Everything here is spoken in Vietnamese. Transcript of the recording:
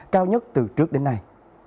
cao nhất trong năm hai nghìn hai mươi